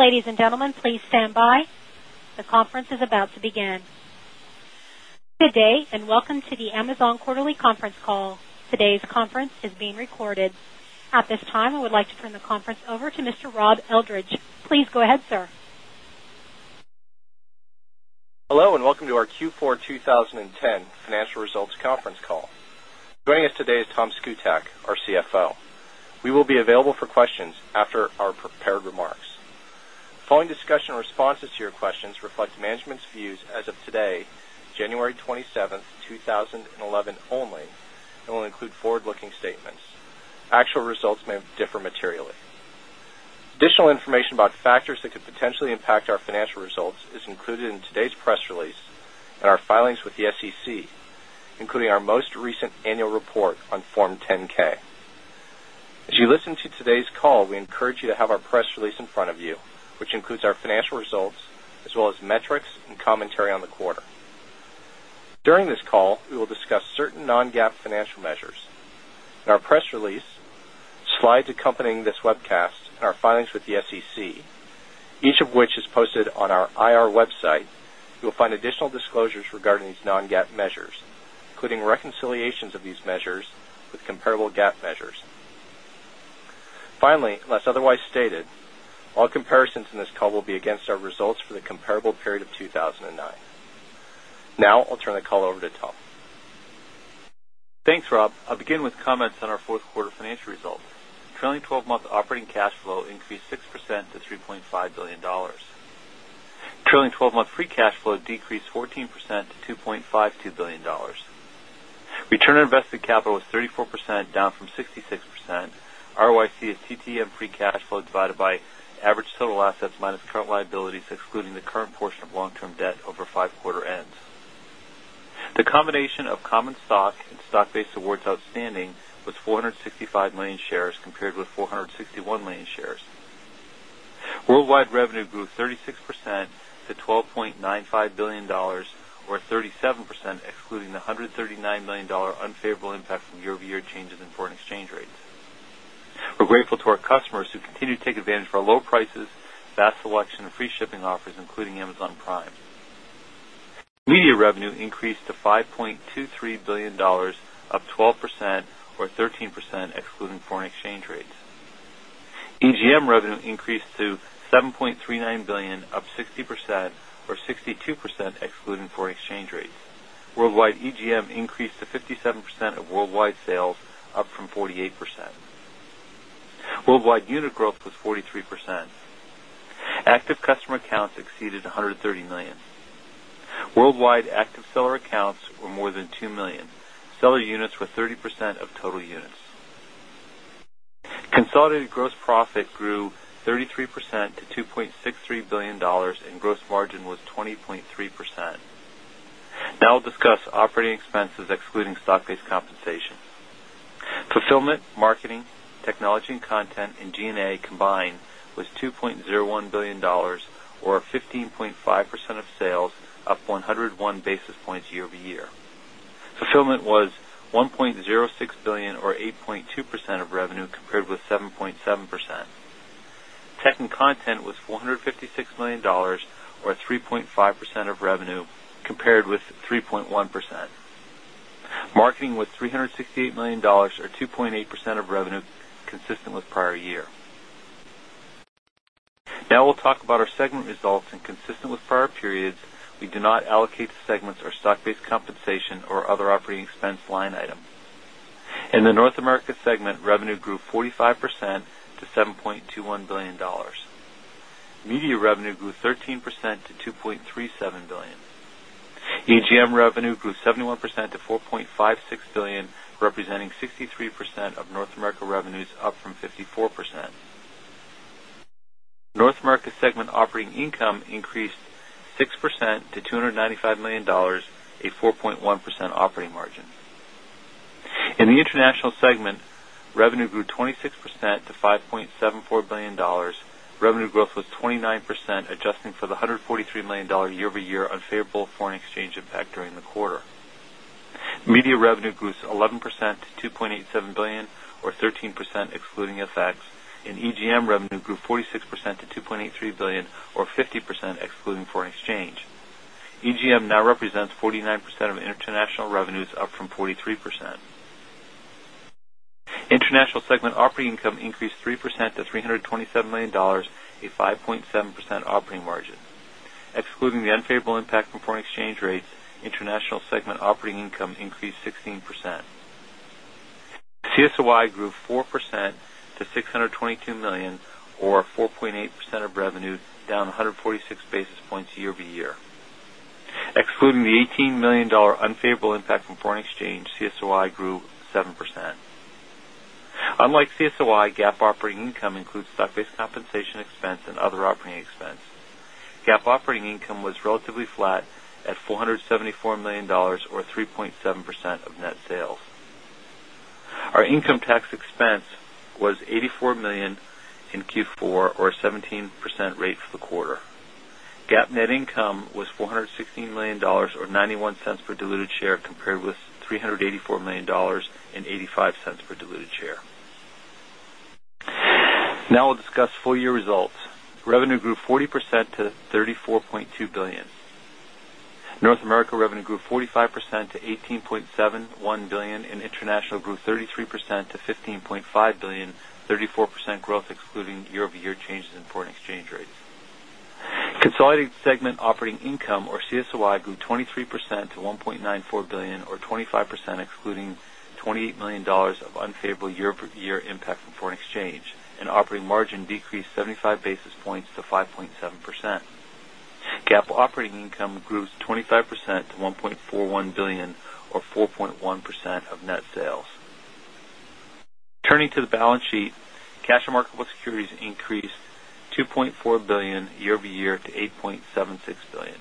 Good day, and welcome to the Amazon Quarterly Conference Call. Today's conference is being recorded. At this time, I would like to turn the conference over to Mr. Rob Eldridge. Please go ahead, sir. Hello, and welcome to our Q4 twenty ten financial results conference call. Joining us is Tom Szkutak, our CFO. We will be available for questions after our prepared remarks. Following discussion and responses to your questions reflect management's views as of today, January 27, 2011 only and will include forward looking statements. Actual results may differ materially. Additional information about factors that could potentially impact our financial results is included in today's press release and our filings with the SEC, including our most recent annual report on Form 10 ks. As you listen to today's call, we encourage you to have our press release in front of you, which includes our financial results, as well as metrics and commentary on the quarter. During this call, we will discuss certain non GAAP financial measures. In our press release, slides accompanying this webcast and our filings with the SEC, each of which is posted on our IR website, you will find additional disclosures regarding these non GAAP measures, including reconciliations of these the comparable period of 2,009. Now, I'll turn the call over to Tom. Thanks, Rob. I'll begin with comments on our 4th quarter financial results. Trailing 12 month operating cash flow increased 6% to $3,500,000,000 Trailing 12 month free cash flow decreased 14 percent to $2,520,000,000 Return on invested capital was 34%, down from 66%, ROIC is TTM free cash flow divided by average total assets minus current liabilities excluding the current portion of long term debt over 5 quarter ends. The combination of common stock and stock based awards outstanding was 465,000,000 shares compared with 461,000,000 shares. Worldwide revenue grew 36 percent to $12,950,000,000 or 37% excluding the $139,000,000 unfavorable impact from fast vast selection of free shipping offers including Amazon Prime. Media revenue increased to 5,230,000,000 up 12% or 13% excluding foreign exchange rates. EGM revenue increased to $7,390,000,000 up 60% or 62% excluding foreign exchange rates. Worldwide EGM increased to 57% of worldwide sales, up from 48%. Worldwide unit growth was 43%. Active customer accounts exceeded 130,000,000. Worldwide active seller accounts were more than 2,000,000. Seller units were 30% of total units. Consolidated gross profit grew 33 percent to $2,630,000,000 and gross margin was 20.3%. Now I'll discuss operating expenses excluding stock based compensation. Fulfillment, marketing, technology and content and G and A combined was $2,010,000,000 or 15.5 percent of sales, up 101 basis points year over year. Fulfillment was $1,060,000,000 or 8.2 percent of revenue compared with 7.7%. Tech and content was $456,000,000 or 3.5 percent of revenue compared with 3.1%. Marketing was 368,000,000 dollars or 2.8 percent of revenue consistent with prior year. Now, we'll talk about our segment results and consistent with prior periods, we do allocate segments or stock based compensation or other operating expense line item. In the North America segment, revenue grew 45 percent to $7,210,000,000 Media revenue grew 13 percent to $2,370,000,000 EGM revenue grew 71 percent to 4,560,000,000 representing 63 percent of North America revenues up from 54%. North America segment operating income increased 6% to $295,000,000 a 4.1 percent operating margin. In the international In the international segment, revenue grew 26 percent to $5,740,000,000 revenue growth was 29% adjusting for the 100 and $43,000,000 year over year unfavorable foreign exchange impact during the quarter. Media revenue grew 11% to 2.87 dollars or 13% excluding FX and EGM revenue grew 46 percent to 2,830,000,000 or 50% excluding foreign exchange. EGM now represents 49 of international revenues up from 43%. International segment operating income increased 3% to $327,000,000 a 5.7% operating margin. Excluding the unfavorable impact from foreign exchange rates, international segment operating income increased 16%. CSOI grew 4% to 622,000,000 or 4.8 percent of revenue, down 140 6 basis points year over year. Excluding the $18,000,000 unfavorable impact from foreign exchange, CSOI grew 7%. Unlike CSOI, GAAP operating income includes stock based compensation expense and other operating expense. GAAP operating income was relatively flat at 474 $1,000,000 or 3.7 percent of net sales. Our income tax expense was $84,000,000 in Q4 or 17% rate for the quarter. GAAP net income was $416,000,000 or $0.91 per diluted share compared with 384,000,000 dollars 0.8 $34,200,000,000 North America revenue grew 45 percent to $18,701,000,000 and international grew 33% to 15,500,000,000, 34% growth excluding year over year changes in foreign exchange rates. Consolidated segment operating income or CSOI grew 23 percent to $1,940,000,000 or 25 percent excluding $28,000,000 of unfavorable year over year impact from foreign exchange and operating margin decreased 75 basis points to 5.7%. GAAP operating income grew 25 percent to 1,410,000,000 or 4.1 percent of net sales. Turning to the balance sheet, cash and marketable securities increased $2,400,000,000 year over year to $8,760,000,000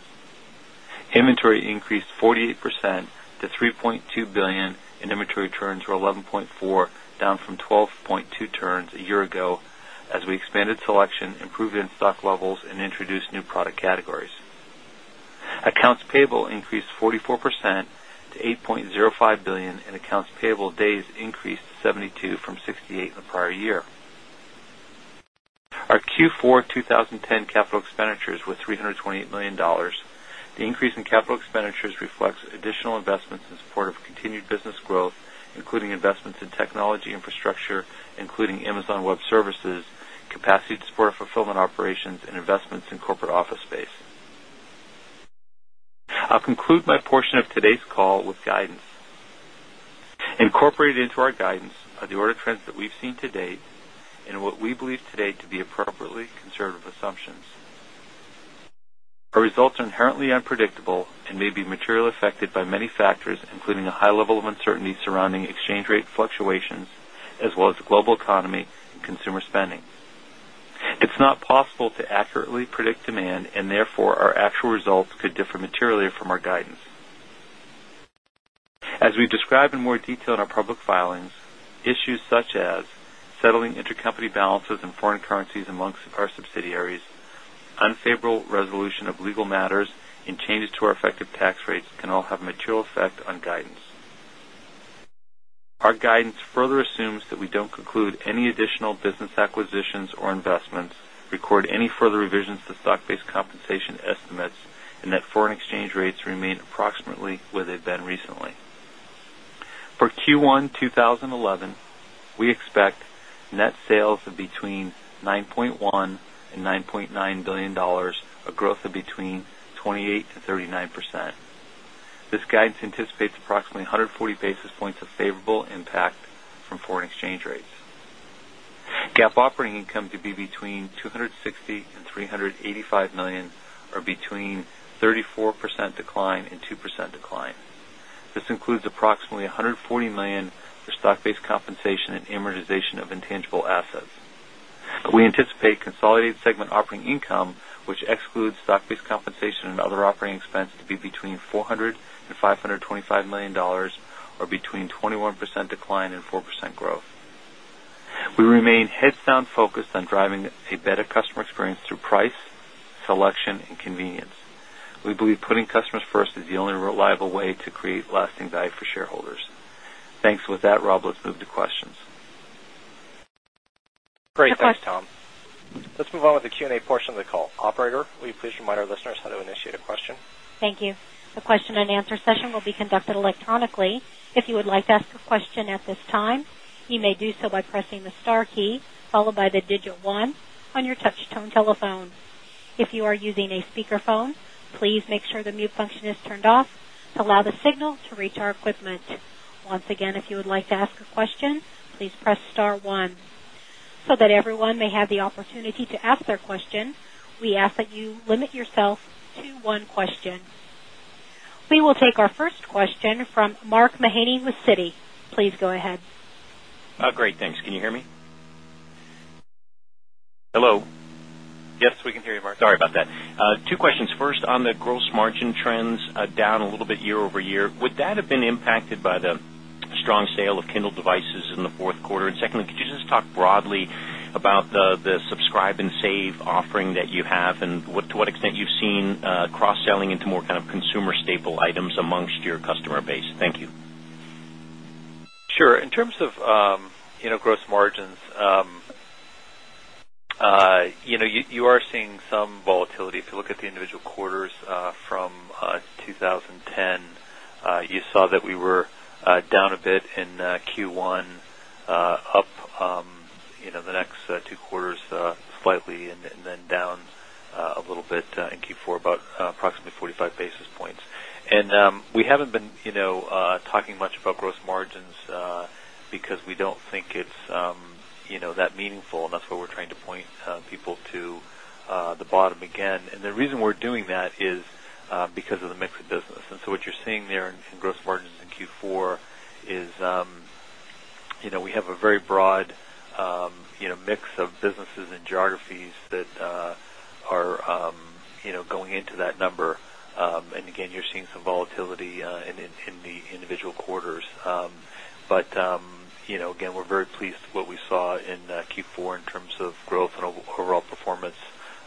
Inventory increased 48% to 3 $200,000,000 and inventory turns were 11.4, down from 12.2 turns a year ago as we expanded selection, improve 2 turns a year ago as we expanded selection, improved in stock levels, and introduced new product categories. Accounts payable increased 44 percent to $8,078,000,000 The increase in capital expenditures reflects additional investments in support of continued business growth, including investments in technology infrastructure, including Amazon Web Services, capacity to support our fulfillment operations and investments in corporate office space. I'll conclude my portion of today's call with guidance. Incorporated into our guidance are the order trends that we've seen to date and what we believe today to be appropriately conservative assumptions. Our results are inherently unpredictable and may be materially affected by many factors, including a high level of uncertainty surrounding rate fluctuations, as well as the global economy and consumer spending. It's not possible to accurately predict demand and therefore our actual results could differ materially from our guidance. As we describe in more detail in our public filings, issues such as settling intercompany balances and foreign currencies amongst our subsidiaries, unfavorable resolution of legal matters and changes to our tax rates can all have material effect on guidance. Our guidance further assumes that we don't conclude any additional business acquisitions or investments, record any further revisions to stock based compensation estimates, and that foreign exchange rates remain approximately where 11, we expect net sales of between 9 point $1,000,000,000 $9,900,000,000 a growth of between 28% to 39%. This guidance anticipates approximately 140 basis points 385,000,000 or between 34% decline and 2% decline. This includes approximately $140,000,000 for stock based compensation and amortization of intangible assets. We anticipate consolidated segment operating income, which excludes stock based compensation and other operating expense to be between $400,000,000 $525,000,000 or between 21% decline and 4% growth. We remain heads create lasting value for shareholders. Thanks. With that, Rob, let's move to questions. Great. Thanks, Tom. Let's move on with the Q and A portion of the call. Operator, will you please remind our listeners how to initiate a question? Thank you. We will take our first question from Mark Mahaney with Citi. Please go ahead. Great, thanks. Can you hear me? Hello? Yes, we can hear you, Mark. Sorry about that. Two questions. First, on the gross margin trends down a little bit year over year. Would that have been impacted by the strong sale of Kindle devices in the Q4? And secondly, could you just talk broadly about the subscribe and save offering that you have and what to what extent you've seen cross selling into more kind of consumer staple items amongst your customer base? Thank you. Sure. In terms of gross margins, you are seeing some volatility. If you look at the individual quarters from 2010. You saw that we were down a bit in Q1, up the next two quarters slightly and then down a little bit in Q4, about approximately 45 basis points. And we haven't been talking much about gross margins to the bottom again. And the reason we're doing that is because of the mix of business. And so what you're seeing there in gross margins in Q4 we have a very broad mix of businesses and geographies that are going into that number. And again, you're seeing some volatility in the individual quarters. But again, we're very pleased with what we saw in Q4 in terms of growth and overall performance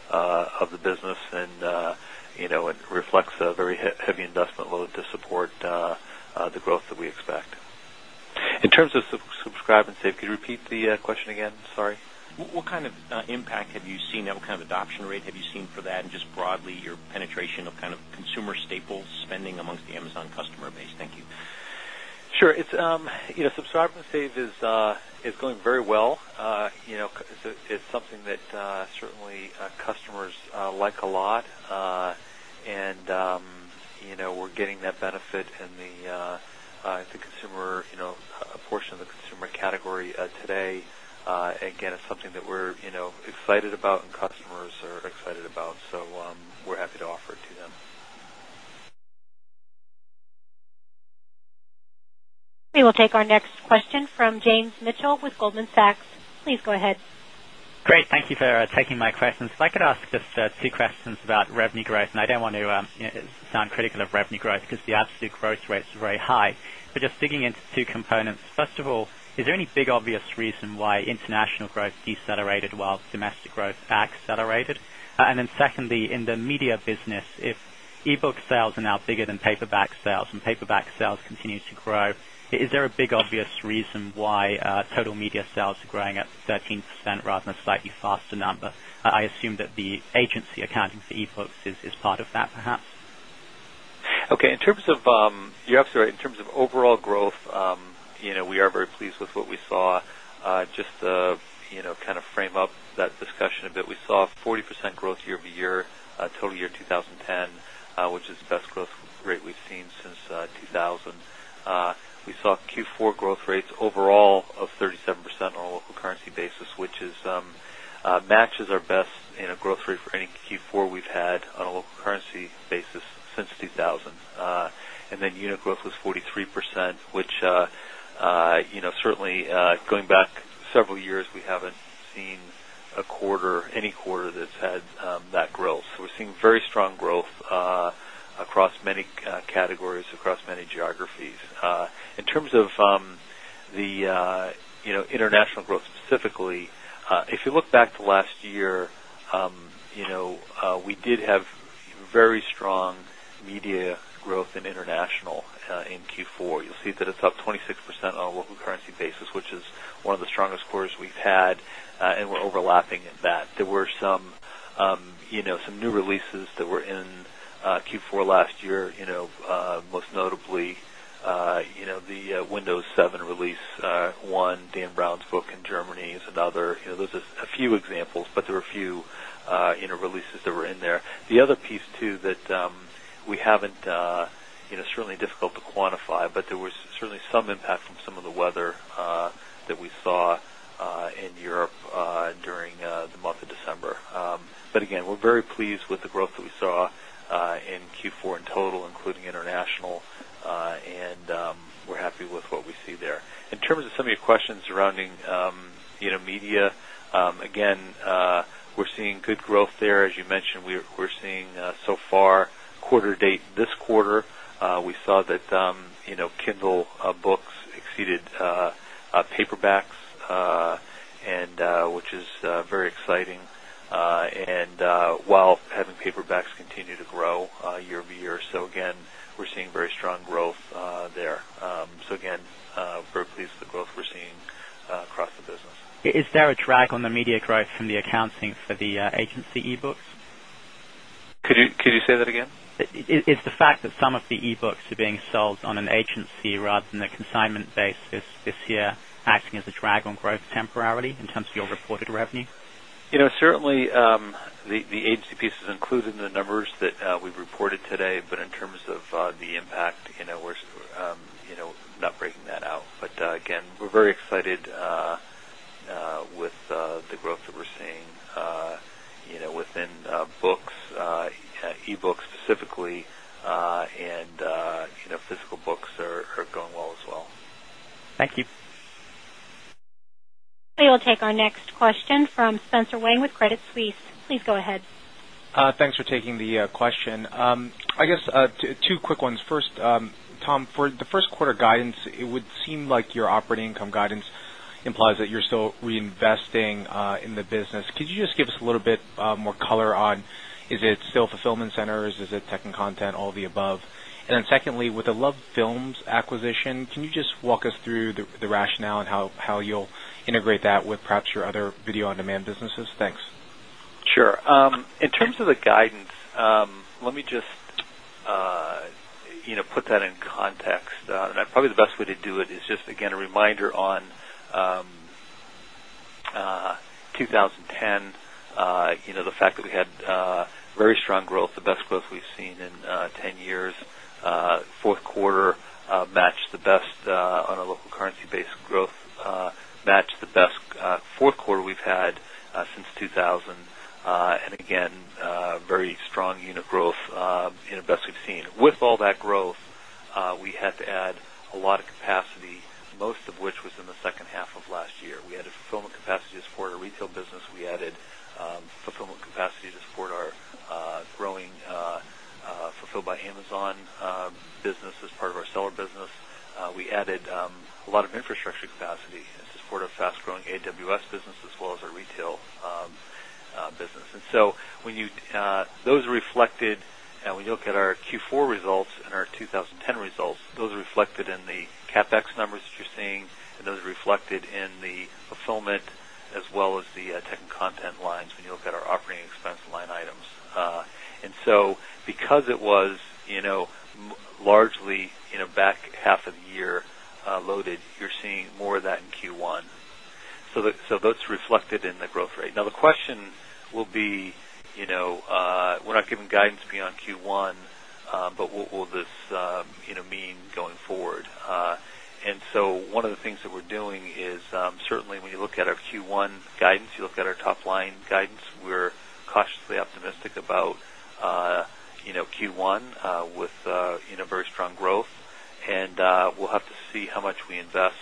of the business and reflects a very heavy investment load to support the growth that we expect. In terms of subscribe and save, could you repeat the question again? What kind of impact have you seen, what kind of adoption rate have you seen for that and just broadly your penetration of kind of consumer staples spending amongst the Amazon customer base? Thank you. Sure. Subscription saves is going very well. It's something that certainly customers like a lot and we're getting that benefit in the consumer portion of the consumer category today. Again, it's something that we're excited about and customers are excited about. So, we're happy to offer it to them. We will take our next We will take our next question from James Mitchell with Goldman Sachs. Please go ahead. Great. Thank you for taking my questions. If I could ask just two questions about revenue growth. And I don't want to sound critical of revenue growth because the absolute growth rate is very high. But just digging into 2 components, first of all, is there any big obvious reason why international growth decelerated while domestic growth accelerated? And than paperback than paperback sales and paperback sales continue to grow, is there a big obvious reason why total media sales are growing at 13% rather than a slightly faster number. I assume that the agency accounting for e books is part of that perhaps? Okay. In terms of overall growth, we are very pleased with what we saw. Just to kind of frame up that discussion a bit, we saw 40% growth year over year, total year 2010, which is the best growth rate we've seen since 2000. We saw Q4 growth rates overall of 37% on a local currency basis, which matches our best growth rate for any Q4 we've had on a local currency basis since 2000. And then unit growth was 43%, which certainly going back several years, we haven't seen a quarter any quarter that's had that the international growth specifically, if you look back to last year, we did have very strong media growth in international in Q4. You'll see that it's up 26% on a local currency basis, which is one of the strongest quarters we've had, and we're overlapping in that. There were some new releases that were in Q4 last year, most notably the Windows 7 release 1, Dan Brown's book in Germany is another. Those are a few examples, but there were a few releases that were in there. The other piece too that we haven't certainly difficult to quantify, but there was certainly some impact from some of the weather that we saw in Europe during of December. But again, we're very pleased with the growth that we saw in Q4 in total, including international, and we're happy with what we see there. In terms of some of your questions surrounding media, again, we're seeing good paperbacks continue to grow year over year. So again, we're seeing very strong growth there. So again, very pleased with the growth we're seeing across the business. Is there a drag on the media growth from the accounting for the agency e books? Could you say that again? It's the fact that some of the e books are being sold on an agency rather than the consignment basis this year acting as a drag on growth temporarily in terms of your reported revenue? Certainly, the agency piece is included in the numbers that we've reported today, but in terms of the impact, we're not breaking that out. But again, we're very excited with the growth that we're seeing within books, e books specifically and physical books are going well as well. Thank you. We will take our next question from Spencer Wang with Credit Suisse. Please go ahead. Thanks for taking the question. I guess two quick ones. First, Tom, for the Q1 guidance, it would seem like your operating income guidance implies that you're still reinvesting in the business. Could you just give us a little bit more color on, is it still fulfillment centers, is it tech and content, all of the above? And then secondly, with Love Films acquisition, can you just walk us through the rationale and how you'll integrate that with perhaps your other video on demand businesses? Thanks. Sure. In terms of the guidance, let me just put that in context. Context. Probably the best way to do it is just again a reminder on that we had very strong growth, the best growth we've seen in 10 years, 4th quarter matched the best on a local currency basis growth, match the best 4th quarter we've had since 2000, and again, very strong unit growth best we've seen. With all that growth, we had to add a lot of capacity, most of which was in the second half of last year. We had a fulfillment capacity to support our retail business. We added fulfillment capacity to support our growing Fulfilled by Amazon business as part of our seller business. We added a lot of infrastructure capacity to support our fast growing AWS business as well as our retail business. And so when you those are reflected and when you look at our Q4 results and our 20 10 results, those are reflected in the CapEx numbers that you're seeing and those are reflected in the fulfillment as well as the tech and content lines when you look at our operating expense line items. And so because it was largely back half of the year loaded, you're seeing more that in Q1. So that's reflected in the growth rate. Now the question will be, we're not giving guidance beyond Q1, but what will this mean going forward? And so one of the things that we're doing is certainly when you look at our Q1 guidance, you look at our top line guidance, we're cautiously optimistic about Q1 with very strong growth and we'll have to see how much we invest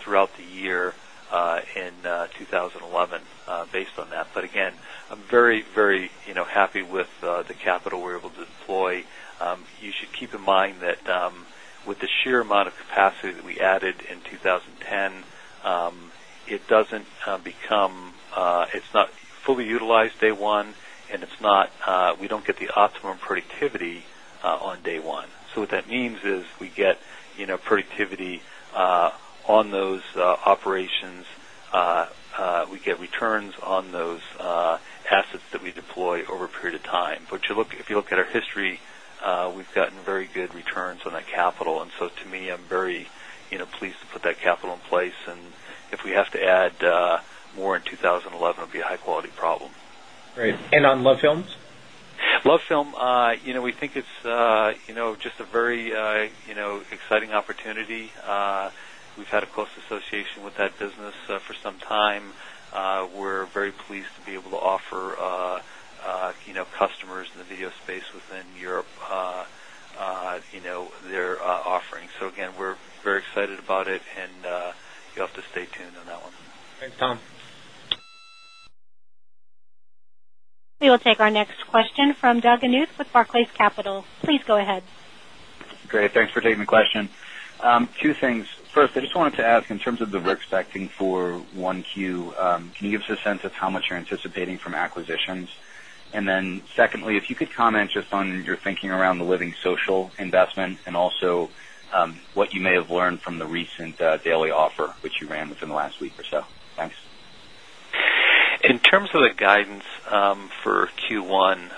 throughout the year in 2011 based on that. But again, I'm very, very happy with the capital we're able to deploy. You should keep in mind that with the sheer amount of capacity that we added in 20 1 and it's not we don't get the optimum productivity on day 1. So, what that means is we get productivity on those operations, we get returns on those assets that we deploy over a period of time. But if you look at our history, we've gotten very good returns on that capital. And so to me, I'm very pleased to put that capital in place. And if we have to add more in 2011, it would be a high quality problem. Great. And on LoveFilm? LoveFilm, we think it's just a very exciting opportunity. We've had a close association with that business for some time. We're very pleased to be able to offer customers in the video space within Europe their offerings. So again, we're very excited about it and you have to stay tuned on that one. Thanks, Tom. We will take our next question from Doug Anute with Barclays Capital. Please go ahead. Great. Thanks for taking the question. 2 things. First, I just wanted to ask in terms of the risk expecting for 1Q, can you give us a sense of how much you're anticipating from I which you ran within the last week or so? Thanks. In terms of the guidance for Q1,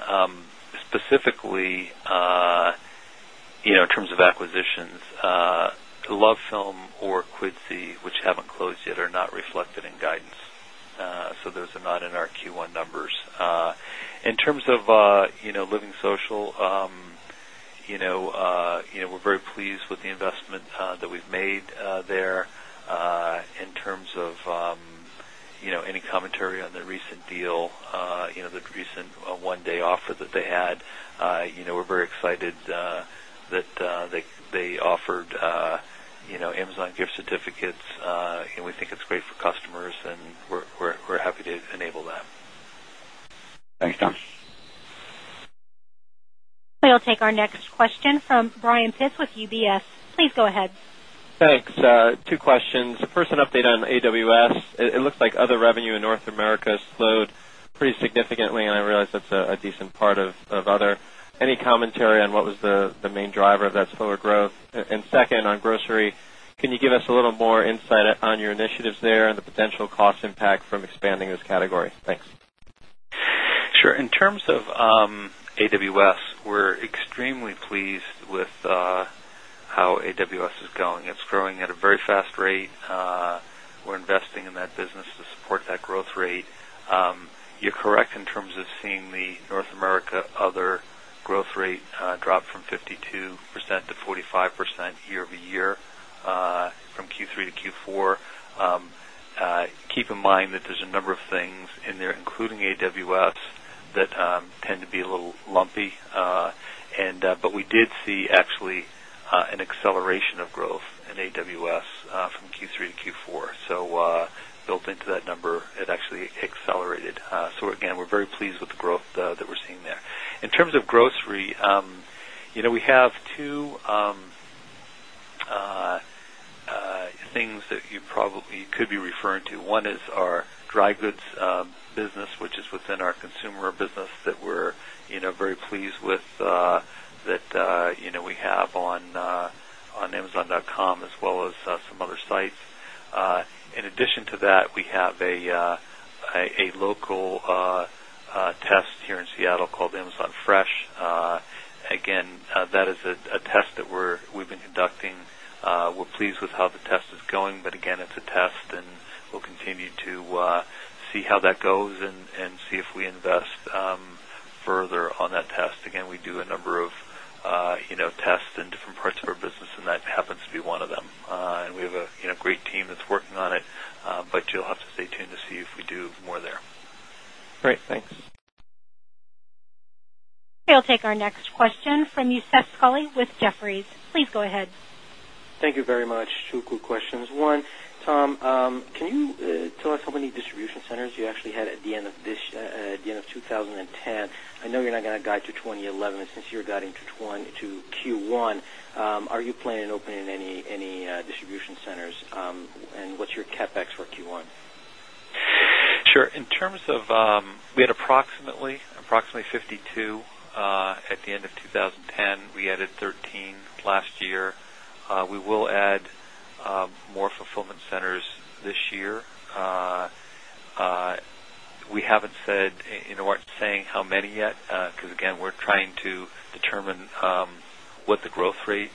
LoveFilm or Quincy, which haven't closed yet are not reflected in guidance. So those are not in our Q1 numbers. In terms of LivingSocial, we're very pleased with the investment that we've made there in terms of any commentary on the recent deal, the recent one day offer that they had. We're very excited that they offered Amazon gift certificates and we think it's great for customers and we're happy to enable that. Thanks, Tom. We'll take our next like other revenue in North America slowed pretty significantly and I realize that's a decent part of other. Any commentary on what was the main driver of that slower growth? And second on grocery, can you give us a little more insight on your initiatives there and the potential cost impact from expanding those categories? Thanks. Sure. In terms of, AWS, we're extremely pleased with how AWS is going. It's growing at a very fast rate. We're investing in that business to support that growth rate. You're correct from Q3 to Q4. From Q3 to Q4. Keep in mind that there's a number of things in there including AWS that tend to be a little lumpy, but we did see actually an acceleration of growth in AWS from Q3 to Q4. So built into that number, it actually accelerated. So again, we're very pleased with the growth that we're seeing there. In terms of grocery, we have 2 things that you probably could be referring to. 1 is our goods business, which is within our consumer business that we're very pleased with that we have on Amazon dot com as well as some other sites. In addition to that, we have a local test here in Seattle called Amazon Fresh. Again, that is a test that we've been conducting. We're pleased with how the test is going, but again it's a test and we'll continue to see how that goes and see if we invest further on that test. Again, we do a number of tests in different parts of our business and that happens to be one of them. And we have a great team that's working on it, but you'll have to stay tuned to see if we do more there. Great. Thanks. We'll take our next question from Youssef Squali with Jefferies. Please go ahead. Thank you very much. Two quick questions. 1, Tom, can you tell us how many distribution centers you actually had at the end of this at the end of 2010? I know you're not going to guide to 2011 since you're guiding to Q1. Are you planning to open any distribution centers? And what's your CapEx for Q1? Sure. In terms of we had approximately 52 at the end of 2010, we added 13 last year. We will add more fulfillment centers this year. We haven't said in our saying how many yet, because again we're trying to determine what the growth rate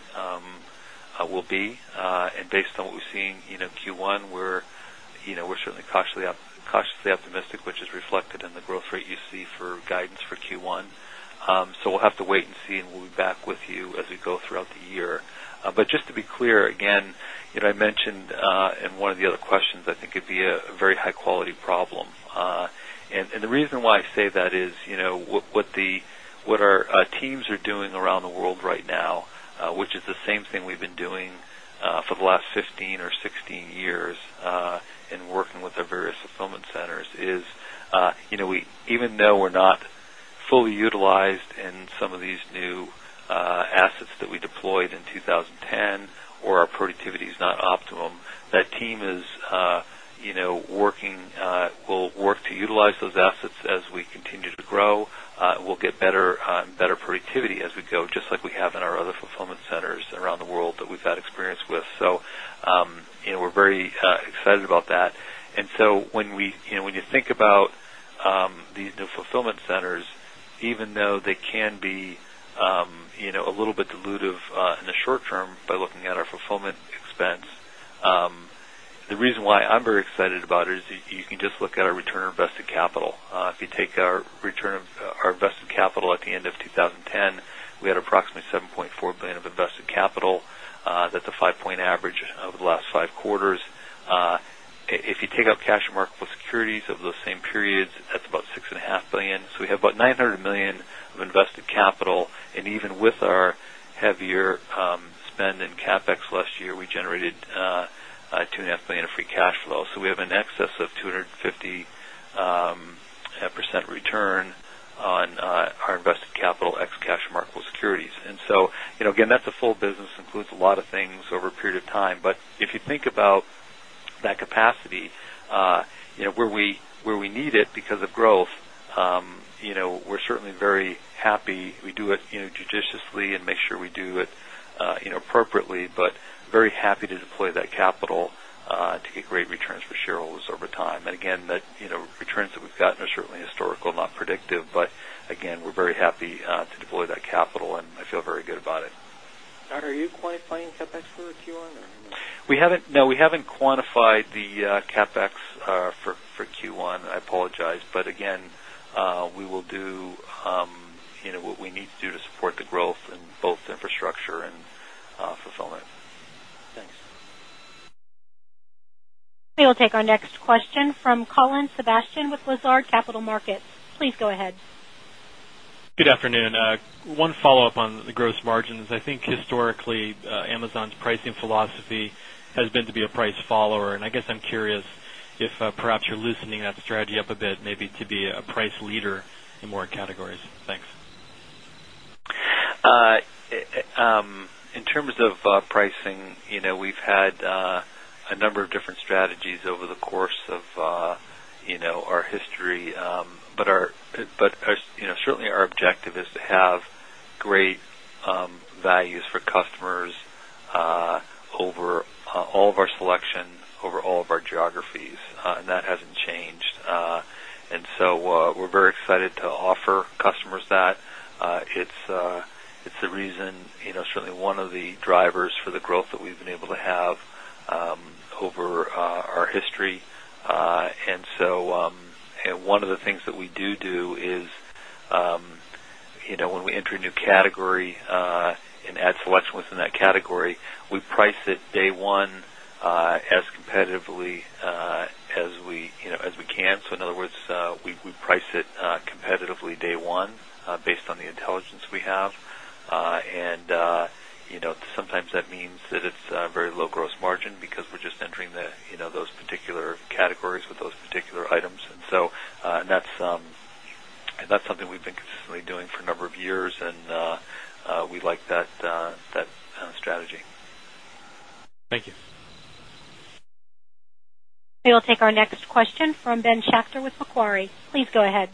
will be and based on what we're seeing in Q1 we're certainly cautiously optimistic, which is reflected in the growth rate you see for guidance for Q1. So, we'll have to wait and see and we'll be back with you as we go throughout the year. But just to be clear, again, I mentioned in one of the other questions, I think it'd be a very high quality problem. And the reason why I say that is what our teams are doing around the world right now, which is the same thing we've been doing for the last 15 or 16 years in working with our various fulfillment centers is, even though we're not fully utilized in some of these new assets that we deployed in 2010 or our productivity is not optimum, that team is working will work to utilize those assets as we continue to grow. We'll get better productivity as we go just like we have in our other fulfillment centers around the world that we've had experience with. So, we're very excited about that. And so, when you think about these new fulfillment centers, even though they can be a little bit dilutive in the short term by looking at our fulfillment expense, The reason why I'm very excited about it is you can just look at our return on invested capital. If you take our return invested capital at the end of 2010, we had approximately $7,400,000,000 of invested capital, that's a 5 point average over the last 5 quarters. If you take out cash and marketable securities of those same periods, that's about $6,500,000,000 So we have about $900,000,000 of invested capital and even with our heavier spend in CapEx last year, we generated $2,500,000 of free cash flow. So we have an excess of 2.50% return on our invested capital ex cash and marketable securities. And so, again, that's a full business, includes a lot of things over a period of time. But if you think about that capacity, where we need it because of growth, we're certainly very happy. We do it judiciously and make sure we do it appropriately, but very happy to deploy that capital to get great returns for shareholders over time. And again, returns that we've gotten are certainly historical, not predictive, but again, we're very happy to deploy that capital and I feel very good about it. Don, are you quantifying CapEx for Q1 or anything? No, we haven't quantified the CapEx for Q1, I apologize. But again, we will do what we need to do to support the growth in both infrastructure and fulfillment. We will take our next question from Colin Sebastian with Lazard Capital Markets. Please go ahead. Good afternoon. One follow-up on the gross margins. I think historically, historically Amazon's pricing philosophy has been to be a price follower. And I guess I'm curious if perhaps you're loosening that strategy up a bit maybe to be a price leader in more categories? Thanks. In terms of In terms of pricing, we've had a number of different strategies over the course of our history, but certainly our objective is to have great values for customers over all of our selection, over all of our geographies, and that hasn't changed. And so, we're very excited to offer customers that. It's the reason certainly one of the drivers for the growth that we've been able to have over our history. And so, one of the things that we do do is, when we enter a new category and add selection within that category, we price it day 1 as competitively as we can. So in other words, we price it competitively day 1 based on the intelligence we have. And sometimes that means that it's low gross margin because we're just entering those particular categories with those particular items. And so that's something we've been really doing for a number of years and we like that strategy. Thank you. We will take our next question from Ben Schachter with Macquarie. Please go ahead.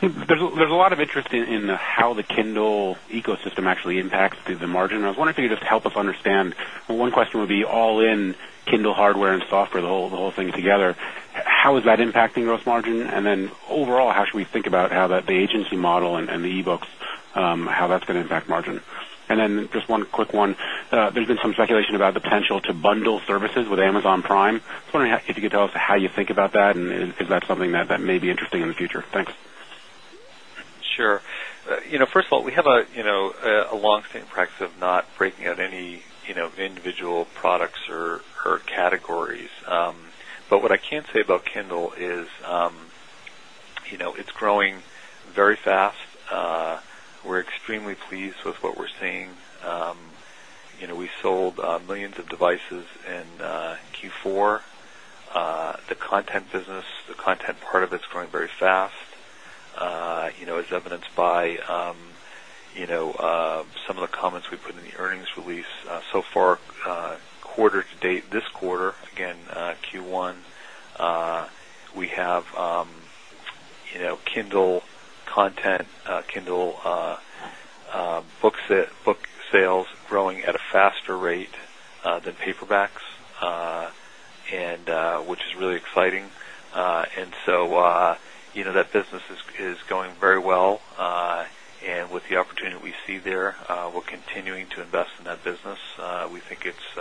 There's a lot of interest in how the Kindle ecosystem actually impacts the margin. I was wondering if you could just help us understand, one question would be all in Kindle hardware and software, the whole thing together. How is that impacting gross margin? And then, overall, how should we think about how that the agency model and the e books, how that's going to impact margin? And then, just one quick one. There's been some speculation about the potential to bundle services with Amazon Prime. I was wondering if you could tell us how you think about that and is that something that may be interesting in the future? Thanks. Sure. First of all, we have a long standing practice of not breaking out any individual products or categories. But what I can say about Kendall is, it's growing very fast. We're extremely pleased with what we're seeing. We sold millions of devices in Q4. The content business, the content part of it is growing very fast, as evidenced by some of the comments we put in the earnings release so far, quarter to date, this quarter, again Q1, we have Kindle paperbacks, which is really exciting. And so, that business is going very well. And with the opportunity we see there, we're continuing to invest in that business. We think it's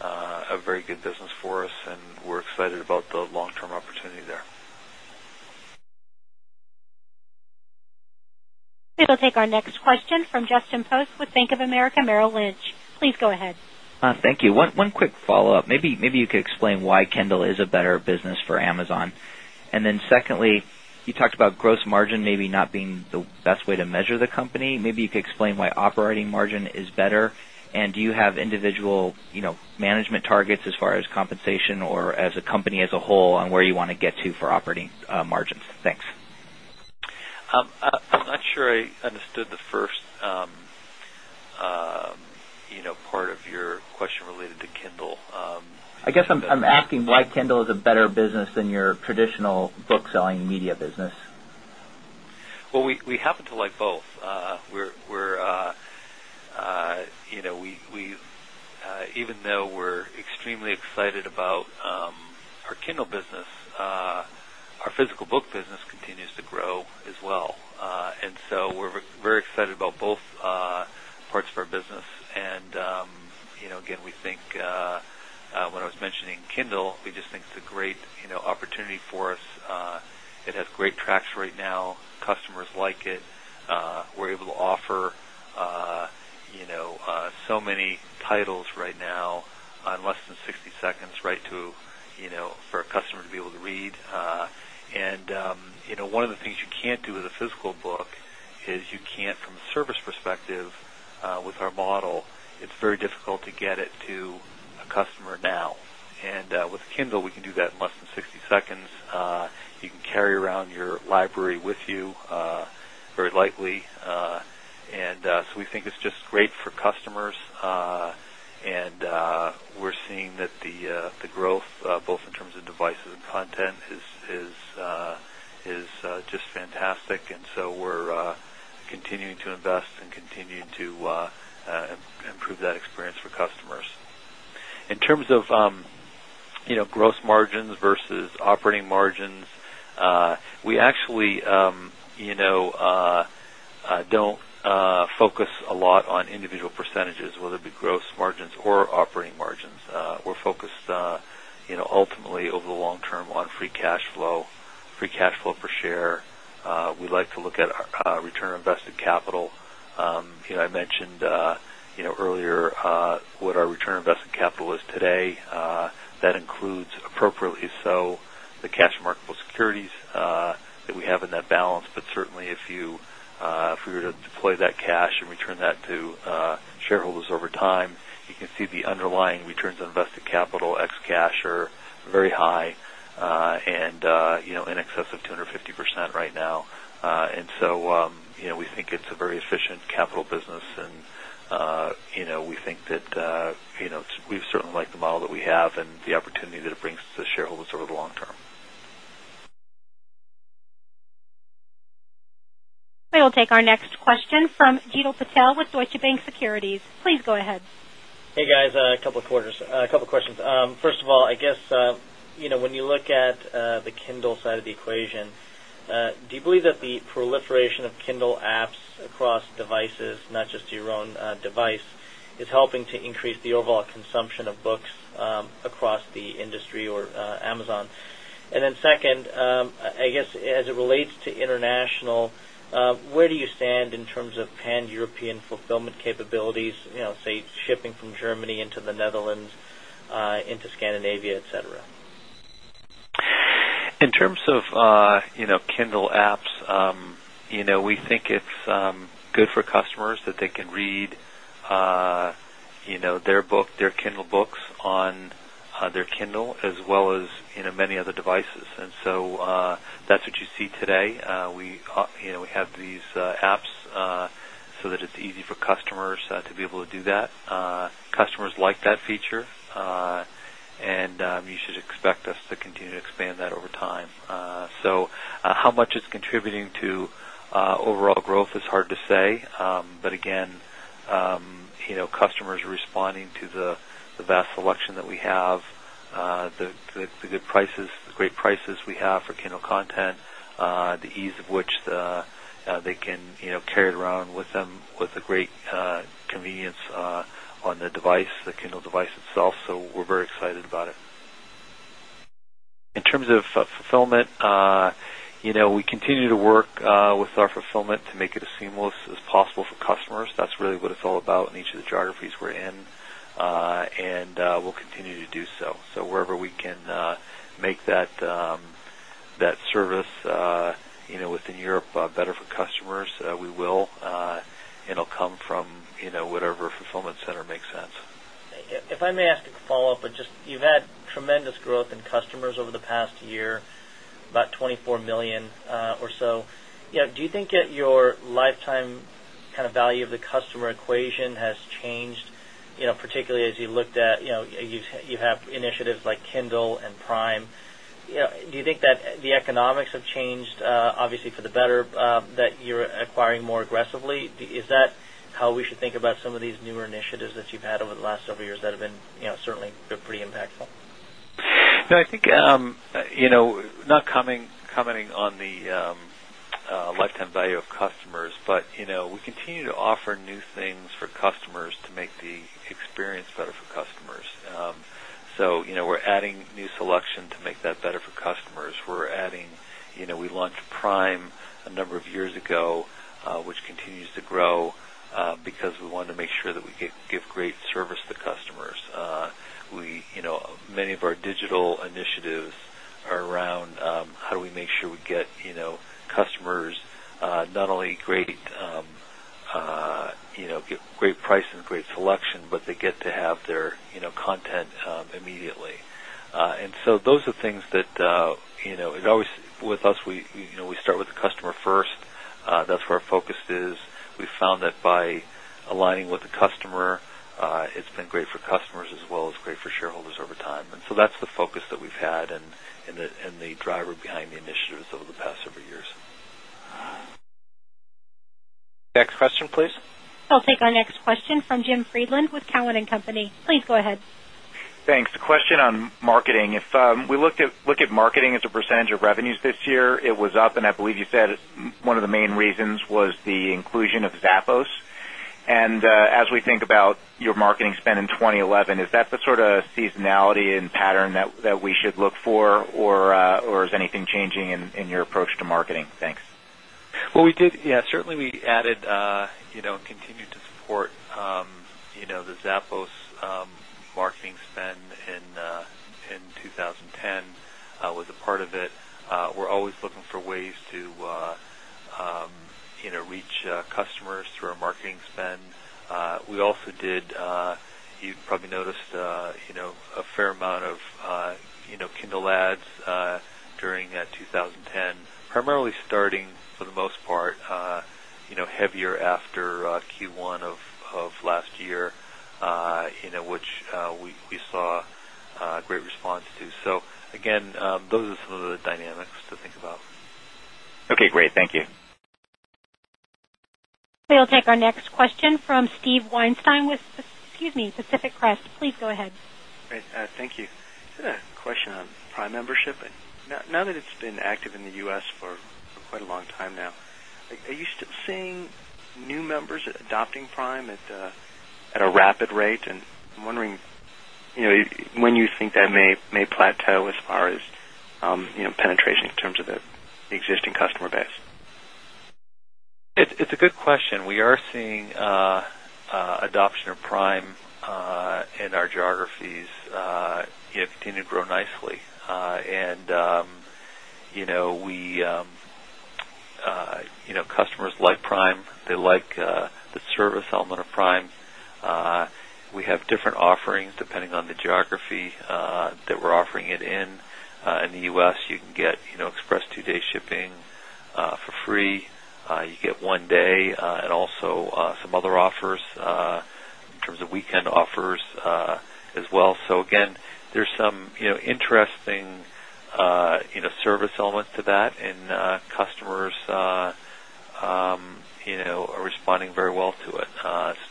a very good business for us and we're excited about the long term opportunity there. We will take our next question from Justin Post with Bank of America Merrill Lynch. Please go ahead. Thank you. One quick follow-up. Maybe you could explain why Kendall is a better business for Amazon? And then secondly, you talked about gross margin maybe not being the best way to measure the company. Maybe you could explain why operating margin is better? And do you have individual management targets as far as compensation or as a company as a whole on where you want to get to for operating margins? Thanks. I'm not sure I understood the first part of your question related to Kindle. I guess I'm asking why Kindle is a better business than your traditional book selling and media business? Well, we happen to like both. We're even though we're extremely excited about our Kindle business, our physical book business continues to grow as well. And so we're very excited about both parts of our business. And again, we think when I was mentioning Kindle, we just think it's a great opportunity for us. It has great tracks right now. Customers like it. We're able to offer so many titles right now in a physical book is you can't from a service perspective with our model, it's very difficult to get it to a customer now. And with Kimbell, we can do that in less than 60 seconds. You can carry around your library with you very lightly. And so, we think it's just great for customers. And we're seeing that the growth both in terms of devices and content is just fantastic. And so we're continuing to invest and continuing to improve that experience for customers. In terms of gross margins versus operating margins, we actually don't focus a lot on individual percentages, whether it be gross margins or operating margins. We're focused ultimately over the long term on free cash flow, free cash flow per share, we'd like to look at return on invested capital. I mentioned earlier what our return investment capital is today. That includes appropriately so the cash marketable securities that we have in that balance, but certainly if you if we were to deploy that cash and return that to shareholders over time, you can see the underlying returns on invested capital ex cash are very high and in excess of 2 50 percent right now. And so, we think it's a very efficient capital business and we think that we've certainly liked the model that we have and the opportunity that it brings to shareholders over the long term. We will take our next question from Jeetal Patel with Deutsche Bank Securities. Please go ahead. Hey, guys. A couple of quarters. A couple of questions. First of all, I guess, when you look at the Kindle side of the equation, do you believe that the proliferation of Kindle apps across devices, not just your own device, is helping to increase the overall consumption of books across the industry or Amazon? And then second, I guess as it relates to international, where do you stand in terms of pan European fulfillment capabilities, say shipping from Germany into the Netherlands, into Scandinavia, etcetera. In terms of Kindle apps, we think it's good for customers that they can read their book, their Kindle books on their Kindle as well as many other devices. And so, that's what you see today. We have these apps, so that it's easy for customers to be able to do that. Customers like that feature and you should expect us to continue to expand that over time. So, how much is contributing to overall growth is hard to say, but again, customers responding to the best selection that we have, the good prices, the great prices we have for Kindle content, the ease of which they can carry it around with them with a great convenience on the device, the Kindle device itself. So we're very excited about it. In terms of fulfillment, we continue to work with our fulfillment to make it as seamless as possible for customers. That's really what it's all about in each of the geographies we're in, and we'll continue to do so. So wherever we can make that service within Europe better for customers, we will. It will come from whatever fulfillment center makes sense. If I may ask a follow-up, but just you've had tremendous growth in customers over the past year, about $24,000,000 or so. Do you think that your lifetime kind of value of the customer equation has changed, particularly as you looked at you have initiatives like Kindle and Prime. Do you think that the economics have changed obviously for the better that you're acquiring more aggressively? Is that how we should think about some of these newer initiatives that you've had over the last several years that have been certainly pretty impactful? No, I think not commenting on the lifetime value of customers, but we continue to offer new things for customers Prime a number of years ago, which continues to grow. Prime a number of years ago, which continues to grow because we want to make sure that we give great service to customers. Many of our digital initiatives are around how do we make sure we get customers not only great price and great selection, but they get to have their content immediately. And so, those are things that it always with us, we start with the customer first. That's where our focus is. We found that by aligning with the customer, it's been great for customers as well as great for shareholders over time. And so that's the focus that we've had and the driver behind the initiatives over the past several years. Next question please. We'll take our next question from Jim Friedland with Cowen and Company. Please go ahead. Thanks. A question on marketing. If we look at marketing as a percentage of revenues this year, it was up and I believe you said one of the main reasons was the inclusion of Zappos. And as we think about your marketing spend in 2011, is that the sort of seasonality and pattern that we should look for or is anything changing in your approach to marketing? Thanks. Well, we did yes, certainly we added continue to support the Zappos marketing spend in 2010 was a part of it. We're always looking for ways to reach customers through our marketing spend. We also did, you probably noticed a fair amount of Kindle ads during 2010, primarily starting for the most part heavier after Q1 of last year, which we saw response to. So again, those are some of the dynamics to think about. Okay, great. Thank you. We'll take our next question from Steve Weinstein with Pacific Crest. Please go ahead. Great. Thank you. I had a question on Prime membership. None of it's been active in the U. S. For quite a long time now. Are you still seeing new members adopting Prime at a rapid rate and I'm wondering when you think that may plateau as far as penetration in terms of the existing customer base? It's a good question. We are seeing adoption of Prime in our geographies continue to grow nicely. And we customers like Prime, they like the service element of Prime. We have different offerings depending on the geography that we're offering it in. In the U. S, you can get express 2 day shipping for free. You get one day and also some other offers in terms of weekend offers as well. So again, there's some interesting service element to that and customers are responding very well to it,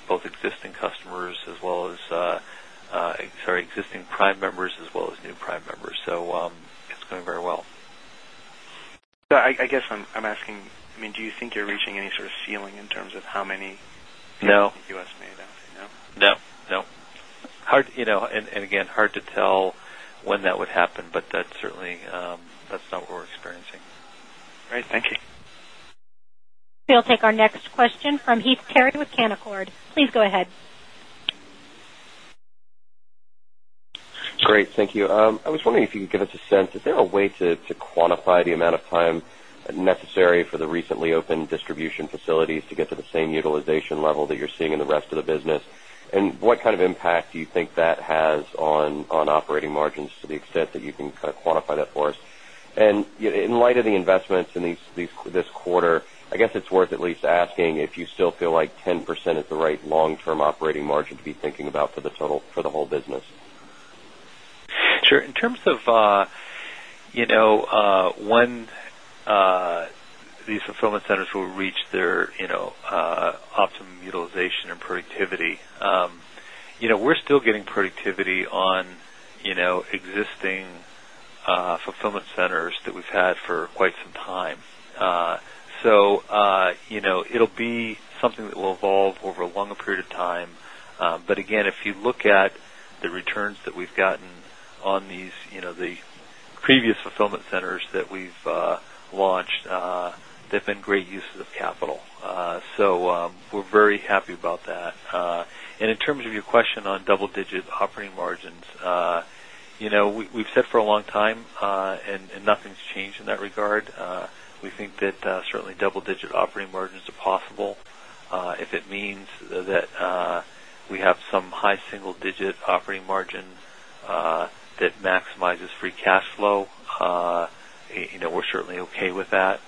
both existing customers as well as sorry, existing Prime members as well as new Prime members. So, it's going very well. I guess, I'm asking, I mean, do you think you're reaching any sort of ceiling in terms of how many U. S. Made out? No. Again, hard to tell when that would happen, but that's certainly that's not what we're experiencing. Great. Thank you. We'll take our next question Heath Terry with Canaccord. Please go ahead. Great. Thank you. I was wondering if you could give us a sense, is there a way to quantify the amount of time necessary for the recently opened distribution facilities to get to the same utilization level that you're seeing in the rest of the business? And what kind of impact do you think that has on operating margins to the extent that you can kind of quantify that for us? And in light of the investments in business. Sure. In terms of when these fulfillment centers will reach their optimum utilization and productivity. We're still getting productivity on existing fulfillment centers that we had for quite some time. So, it'll be something that will evolve over a longer period of time. But again, if you look at the returns that we've gotten on these, the previous fulfillment centers that we've launched, they've been great uses of capital. So, we're very happy about that. And in terms of your question on double digit operating margins, we've said for a long time and nothing's changed in that regard. We think that certainly double digit operating margins are possible. If it means that we have some high single digit operating margin that maximizes free cash flow. We're certainly okay with that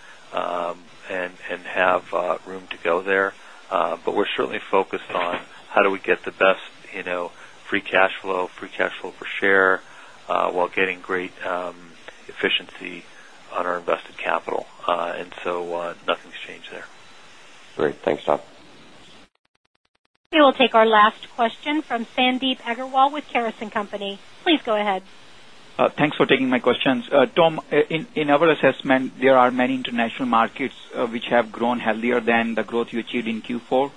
and have room to go there. But we're certainly focused on how do we get the best free cash flow, free cash flow per share, while getting great efficiency on our invested capital. And so nothing has changed there. Great. Thanks, Tom. We will take our last question from Sandeep Agarwal with Tom, in our assessment, there are many international markets which have grown healthier than the growth you achieved in Q4.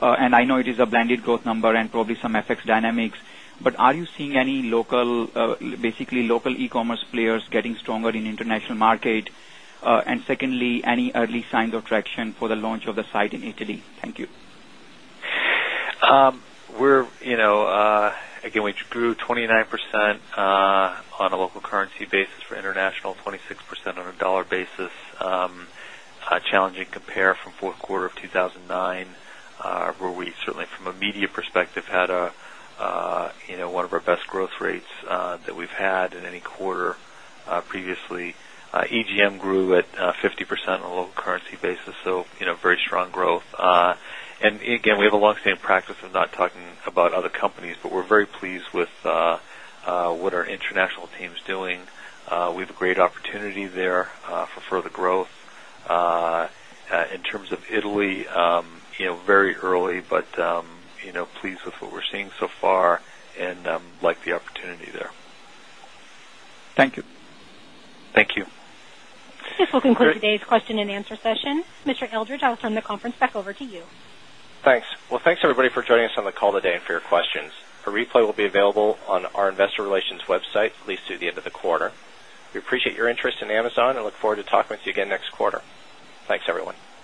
And I know it is a blended growth number and probably some FX dynamics. But are you seeing any basically local e commerce players getting stronger in international market? And secondly, any early signs of traction for the launch of the site in Italy? Thank you. We're again, we grew 29% on a local currency basis for international, 26% on a dollar basis, challenging compare from Q4 of 2,009, where we certainly from a media perspective had one of our best growth rates that we've had in any quarter previously. EGM grew at 50% on a local currency basis, so very strong growth. And again, we have a long standing practice of not talking about other companies, but we're very pleased with what our international team is doing. We have a great opportunity there for further growth. In terms of Italy, very early, but pleased with what we're seeing so far and like the opportunity there. Thank you. Thank you. This will conclude today's question and answer session. Mr. Eldridge, I'll turn the conference back over to you. Thanks. Well, thanks everybody for joining us on the call today and for your questions. A replay will be available on our Investor Relations website at least through the end of the quarter. We appreciate your interest in Amazon and look forward to talking with you again next quarter. Thanks everyone.